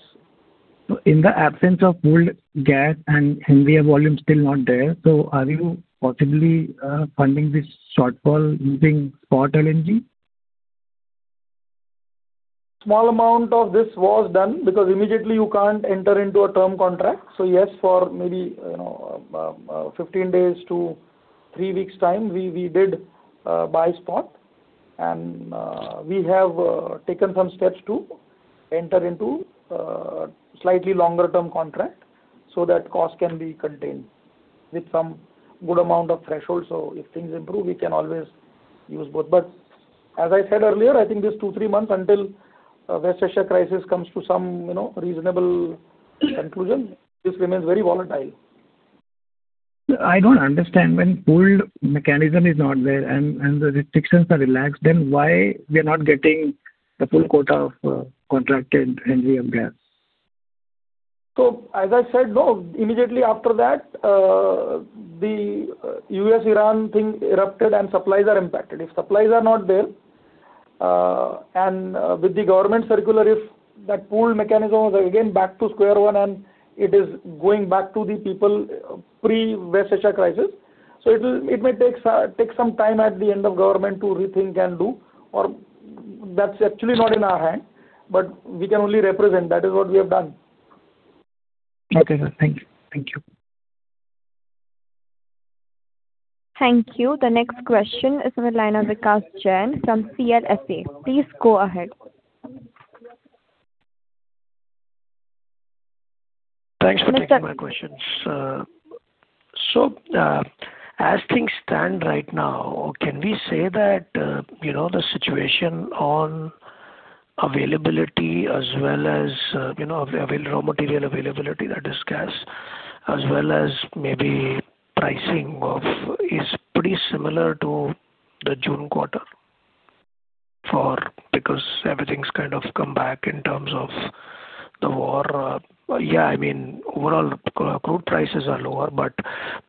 Speaker 8: In the absence of pooled gas and volume still not there, so are you possibly funding this shortfall using spot LNG?
Speaker 5: Small amount of this was done because immediately you can't enter into a term contract. Yes, for maybe 15 days to three weeks time, we did buy spot, and we have taken some steps to enter into a slightly longer term contract so that cost can be contained with some good amount of threshold. If things improve, we can always use both. As I said earlier, I think this two, three months until West Asia crisis comes to some reasonable conclusion, this remains very volatile.
Speaker 8: I don't understand. When pooled mechanism is not there and the restrictions are relaxed, why we are not getting the full quota of contracted RLNG gas?
Speaker 5: As I said, immediately after that, the U.S.-Iran thing erupted, and supplies are impacted. If supplies are not there, and with the government circular if that pooled mechanism was again back to square one, and it is going back to the people pre West Asia crisis. It may take some time at the end of government to rethink and do, or that's actually not in our hand, but we can only represent. That is what we have done.
Speaker 8: Okay, sir. Thank you.
Speaker 1: Thank you. The next question is with line of Vikash Jain from CLSA. Please go ahead.
Speaker 13: Thanks for taking my questions. As things stand right now, can we say that the situation on availability as well as raw material availability, that is gas, as well as maybe pricing is pretty similar to the June quarter? Because everything's kind of come back in terms of the war. I mean, overall crude prices are lower, but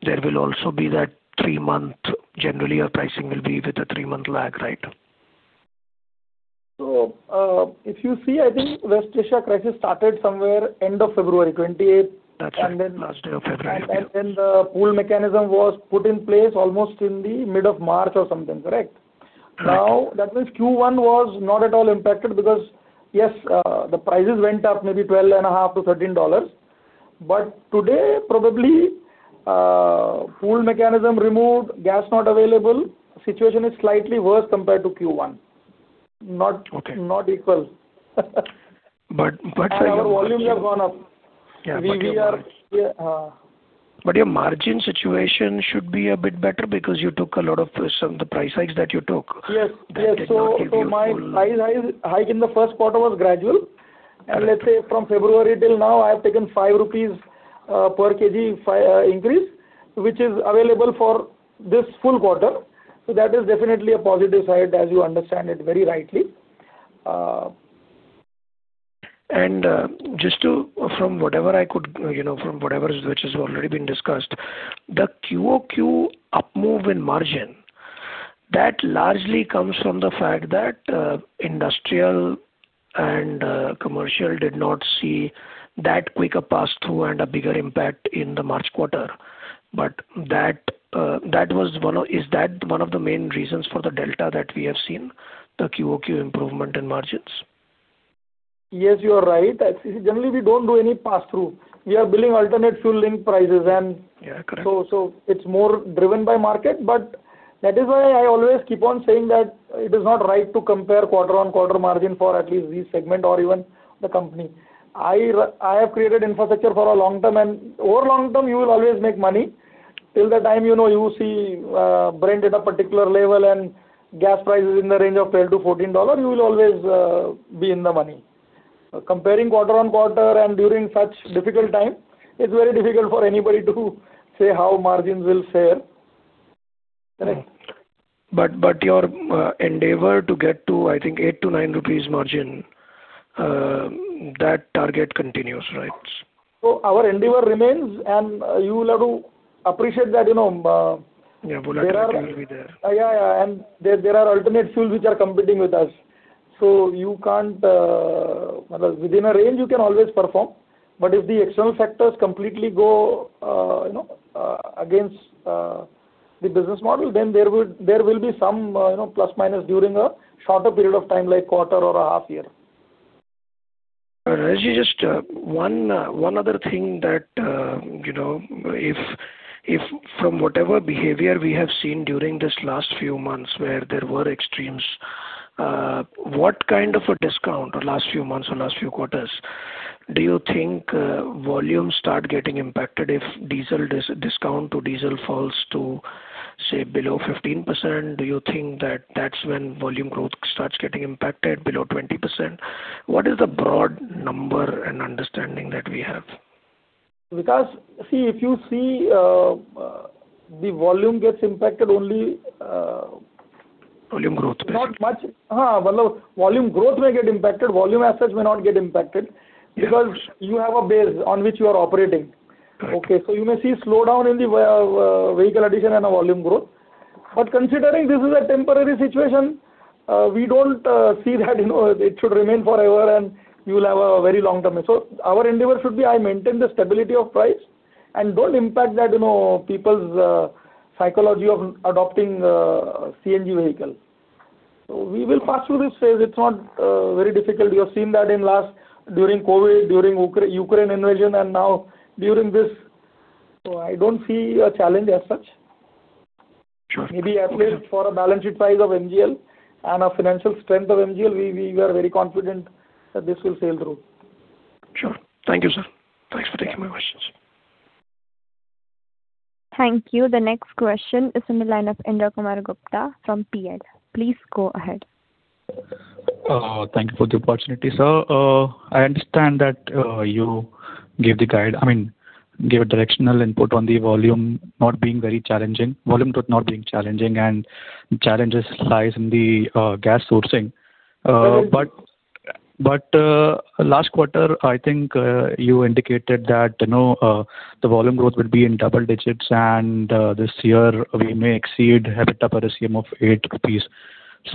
Speaker 13: there will also be that three month, generally your pricing will be with a three month lag, right?
Speaker 5: If you see, I think West Asia crisis started somewhere end of February 28th.
Speaker 13: That's right. Last day of February.
Speaker 5: The pool mechanism was put in place almost in the mid of March or something. Correct?
Speaker 13: Correct.
Speaker 5: That means Q1 was not at all impacted because, yes, the prices went up maybe $12.5-$13, but today probably, pool mechanism removed, gas not available, situation is slightly worse compared to Q1. Not-
Speaker 13: Okay
Speaker 5: not equal.
Speaker 13: But say your-
Speaker 5: Our volumes have gone up.
Speaker 13: Yeah.
Speaker 5: We are Yeah.
Speaker 13: Your margin situation should be a bit better because you took a lot of the price hikes that you took.
Speaker 5: Yes.
Speaker 13: That did not give you.
Speaker 5: My price hike in the first quarter was gradual.
Speaker 13: Okay.
Speaker 5: Let's say from February till now, I have taken 5 rupees per kg increase, which is available for this full quarter. That is definitely a positive side as you understand it very rightly.
Speaker 13: From whatever which has already been discussed, the quarter-over-quarter up move in margin, that largely comes from the fact that industrial and commercial did not see that quick a pass through and a bigger impact in the March quarter. Is that one of the main reasons for the delta that we have seen, the quarter-over-quarter improvement in margins?
Speaker 5: Yes, you are right. Generally, we don't do any pass through. We are billing alternate fuel linked prices and.
Speaker 13: Yeah. Correct.
Speaker 5: It's more driven by market, but that is why I always keep on saying that it is not right to compare quarter-on-quarter margin for at least this segment or even the company. I have created infrastructure for a long term, and over long term, you will always make money. Till the time you see Brent at a particular level and gas prices in the range of $12-$14, you will always be in the money. Comparing quarter-on-quarter and during such difficult time, it's very difficult for anybody to say how margins will fare. Correct?
Speaker 13: Your endeavor to get to, I think, 8-9 rupees margin, that target continues, right?
Speaker 5: Our endeavor remains.
Speaker 13: Yeah, volatility will be there
Speaker 5: Yeah. There are alternate fuels which are competing with us. Within a range you can always perform, but if the external factors completely go against the business model, then there will be some plus-minus during a shorter period of time, like quarter or a half year.
Speaker 13: Rajesh, just one other thing that, from whatever behavior we have seen during these last few months where there were extremes, what kind of a discount, last few months or last few quarters, do you think volume start getting impacted if discount to diesel falls to, say, below 15%? Do you think that that's when volume growth starts getting impacted below 20%? What is the broad number and understanding that we have?
Speaker 5: Vikash, if you see, the volume gets impacted only
Speaker 13: Volume growth
Speaker 5: Not much. Volume growth may get impacted, volume as such may not get impacted, because you have a base on which you are operating.
Speaker 13: Right.
Speaker 5: Okay. You may see a slowdown in the vehicle addition and a volume growth. Considering this is a temporary situation, we don't see that it should remain forever and you will have a very long-term issue. Our endeavor should be I maintain the stability of price and don't impact people's psychology of adopting CNG vehicles. We will pass through this phase. It's not very difficult. We have seen that during COVID, during Ukraine invasion, and now during this. I don't see a challenge as such.
Speaker 13: Sure.
Speaker 5: Maybe at least for a balanced price of MGL and our financial strength of MGL, we are very confident that this will sail through.
Speaker 13: Sure. Thank you, sir. Thanks for taking my questions.
Speaker 1: Thank you. The next question is in the line of Indra Kumar Gupta from Prabhudas Lilladher. Please go ahead.
Speaker 2: Thank you for the opportunity. Sir, I understand that you gave a directional input on the volume not being very challenging, volume growth not being challenging, and challenges lies in the gas sourcing. Last quarter, I think you indicated that the volume growth will be in double digits and this year we may exceed EBITDA per SCM of 8 rupees.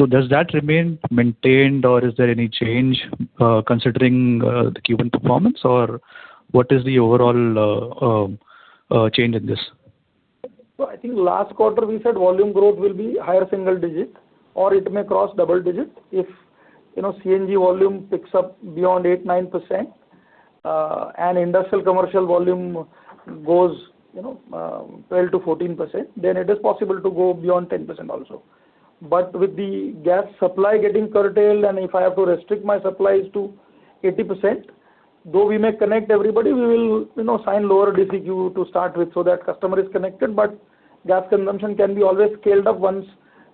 Speaker 2: Does that remain maintained or is there any change considering the Q1 performance, or what is the overall change in this?
Speaker 5: I think last quarter we said volume growth will be higher single digit, or it may cross double digit. If CNG volume picks up beyond 8%, 9%, and industrial commercial volume goes 12%-14%, then it is possible to go beyond 10% also. With the gas supply getting curtailed, and if I have to restrict my supplies to 80%, though we may connect everybody, we will sign lower DCQ to start with so that customer is connected, but gas consumption can be always scaled up once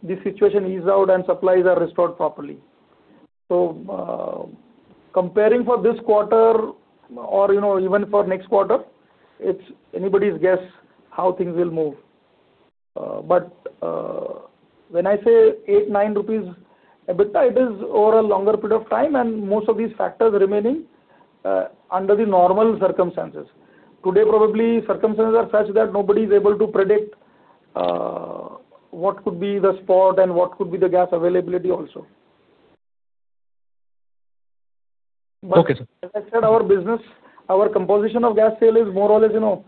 Speaker 5: the situation ease out and supplies are restored properly. Comparing for this quarter or even for next quarter, it's anybody's guess how things will move. When I say 8, 9 rupees EBITDA, it is over a longer period of time and most of these factors remaining under the normal circumstances.
Speaker 6: Today, probably, circumstances are such that nobody's able to predict what could be the spot and what could be the gas availability also.
Speaker 2: Okay, sir.
Speaker 5: As I said, our business, our composition of gas sale is more or less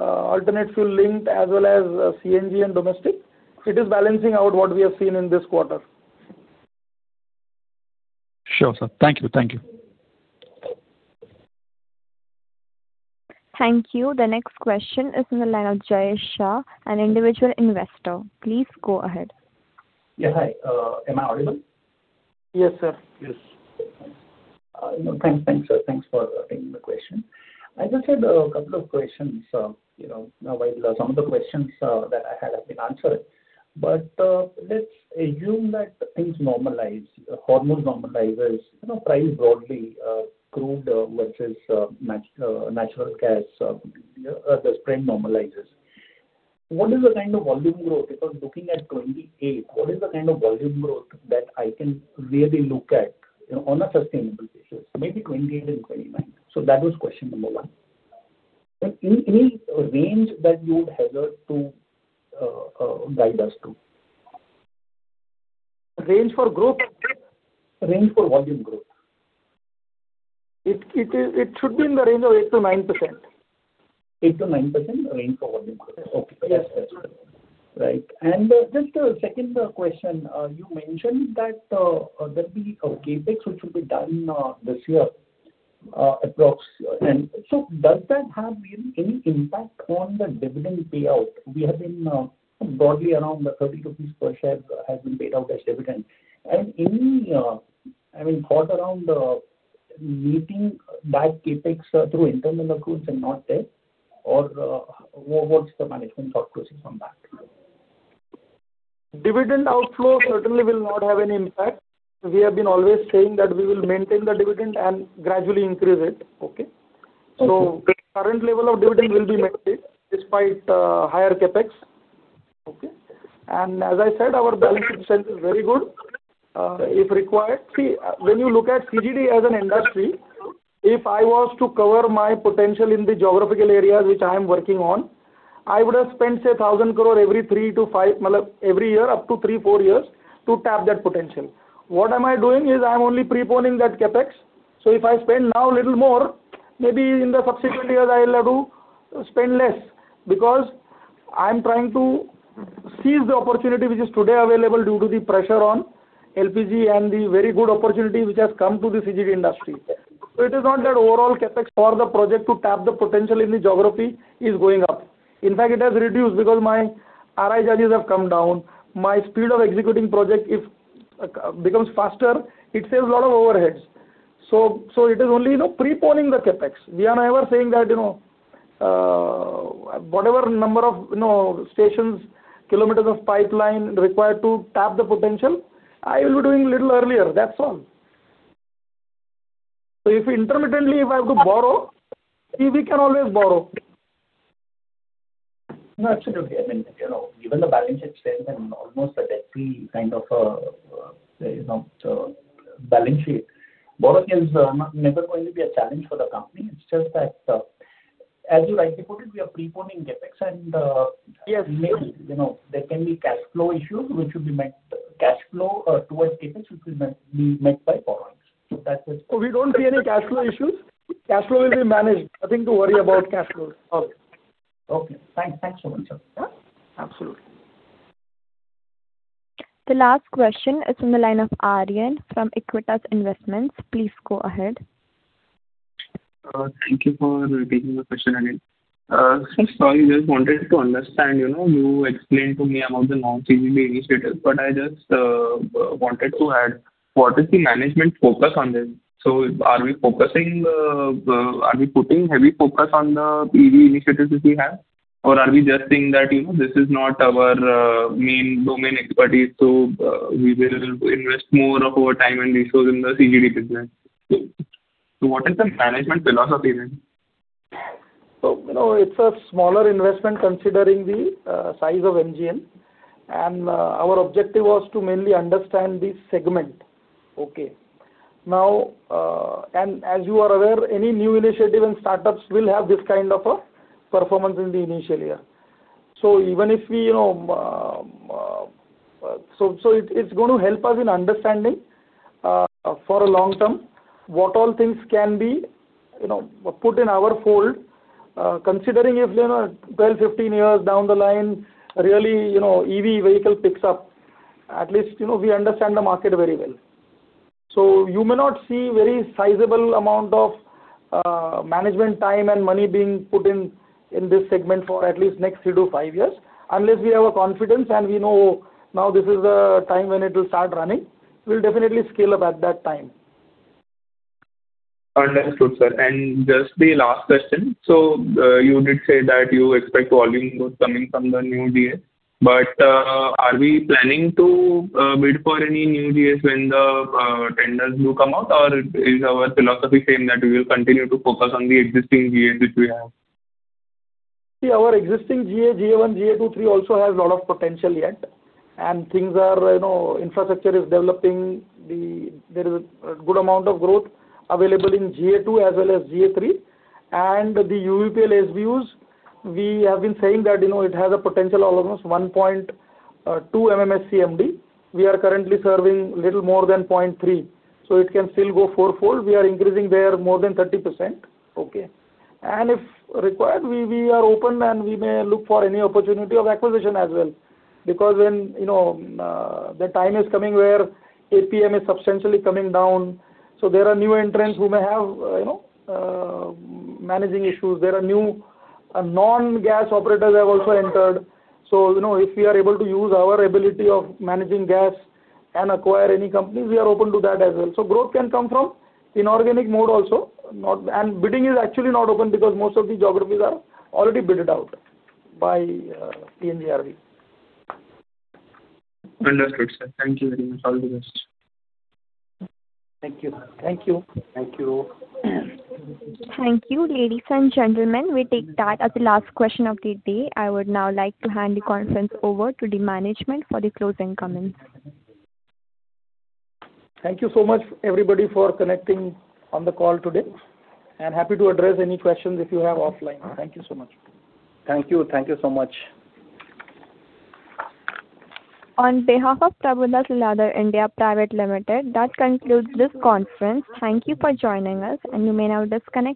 Speaker 5: alternate fuel linked as well as CNG and domestic. It is balancing out what we have seen in this quarter.
Speaker 2: Sure, sir. Thank you.
Speaker 1: Thank you. The next question is in the line of Jay Shah, an individual investor. Please go ahead.
Speaker 14: Yeah. Hi. Am I audible?
Speaker 6: Yes, sir.
Speaker 14: Thanks, sir. Thanks for taking the question. I just had a couple of questions. Some of the questions that I had have been answered. Let's assume that things normalize, norm normalizes, price broadly crude versus natural gas, the spread normalizes. If I was looking at 2028, what is the kind of volume growth that I can really look at on a sustainable basis? Maybe 2028 and 2029. That was question number one. Any range that you would hazard to guide us to?
Speaker 6: Range for growth?
Speaker 14: Range for volume growth.
Speaker 5: It should be in the range of 8%-9%.
Speaker 14: 8%-9% range for volume growth.
Speaker 5: Yes.
Speaker 14: Okay. That's fair. Right. Just a second question. You mentioned that there will be a CapEx which will be done this year, approx. Does that have any impact on the dividend payout? Broadly around 30 rupees per share has been paid out as dividend. Any thought around meeting that CapEx through internal accruals and not debt, or what's the management thought process on that?
Speaker 5: Dividend outflow certainly will not have any impact. We have been always saying that we will maintain the dividend and gradually increase it. Okay?
Speaker 14: Okay.
Speaker 5: The current level of dividend will be maintained despite higher CapEx. Okay? As I said, our balance sheet strength is very good. If required. See, when you look at CGD as an industry. If I was to cover my potential in the geographical areas which I am working on, I would have spent, say, 1,000 crore every year up to three, four years to tap that potential. What am I doing is I am only preponing that CapEx. If I spend now a little more, maybe in the subsequent years, I will have to spend less because I am trying to seize the opportunity which is today available due to the pressure on LPG and the very good opportunity which has come to the CGD industry. It is not that overall CapEx for the project to tap the potential in the geography is going up.
Speaker 6: In fact, it has reduced because my RI charges have come down. My speed of executing project, if becomes faster, it saves a lot of overheads. It is only preponing the CapEx. We are never saying that, whatever number of stations, kilometers of pipeline required to tap the potential, I will be doing little earlier. That's all. If intermittently if I have to borrow, we can always borrow.
Speaker 14: No, absolutely. I mean, given the balance sheet strength and almost a debt-free kind of a balance sheet, borrowing is never going to be a challenge for the company. It's just that, as you rightly put it, we are preponing CapEx and maybe, there can be cash flow issues, cash flow towards CapEx, which will be met by borrowings. That's it.
Speaker 5: We don't see any cash flow issues. Cash flow will be managed. Nothing to worry about cash flow.
Speaker 14: Okay. Thanks, so much sir. Absolutely.
Speaker 1: The last question is from the line of Aaryan from Aequitas Investments. Please go ahead.
Speaker 12: Thank you for taking the question again. Sir, sorry, just wanted to understand, you explained to me about the non-CGD initiatives, but I just wanted to add, what is the management focus on this? Are we putting heavy focus on the EV initiatives which we have, or are we just saying that, this is not our main domain expertise, so we will invest more of our time and resources in the CGD business. What is the management philosophy then?
Speaker 5: It's a smaller investment considering the size of MGL, and our objective was to mainly understand the segment. Okay. Now, as you are aware, any new initiative and startups will have this kind of a performance in the initial year. It's going to help us in understanding, for a long term, what all things can be put in our fold, considering if 12 years, 15 years down the line, really EV vehicle picks up, at least we understand the market very well. You may not see very sizable amount of management time and money being put in this segment for at least next three to five years. Unless we have a confidence and we know now this is the time when it will start running, we'll definitely scale up at that time.
Speaker 12: Understood, sir. Just the last question, so you did say that you expect volume growth coming from the new GA, but are we planning to bid for any new GAs when the tenders do come out, or is our philosophy same, that we will continue to focus on the existing GAs which we have?
Speaker 5: Our existing GA, GA1, GA2, GA3 also has a lot of potential yet, infrastructure is developing. There is a good amount of growth available in GA2 as well as GA3. The UEPL, we have been saying that it has a potential of almost 1.2 MMSCMD. We are currently serving little more than 0.3, so it can still go fourfold. We are increasing there more than 30%. If required, we are open and we may look for any opportunity of acquisition as well. When the time is coming where APM is substantially coming down, there are new entrants who may have managing issues. There are new non-gas operators have also entered. If we are able to use our ability of managing gas and acquire any companies, we are open to that as well.
Speaker 6: Growth can come from inorganic mode also. Bidding is actually not open because most of the geographies are already bidded out by PNGRB.
Speaker 12: Understood, sir. Thank you very much. All the best.
Speaker 5: Thank you.
Speaker 1: Thank you. Ladies and gentlemen, we take that as the last question of the day. I would now like to hand the conference over to the management for the closing comments.
Speaker 5: Thank you so much everybody for connecting on the call today. Happy to address any questions if you have offline. Thank you so much.
Speaker 14: Thank you. Thank you so much.
Speaker 1: On behalf of Prabhudas Lilladher India Limited, that concludes this conference. Thank you for joining us. You may now disconnect.